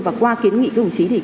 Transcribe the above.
và qua kiến nghị các đồng chí